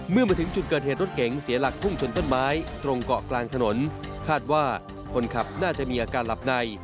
เมื่อมาถึงจุดเกิดเหตุรถเก๋งเสียหลักพุ่งชนต้นไม้ตรงเกาะกลางถนนคาดว่าคนขับน่าจะมีอาการหลับใน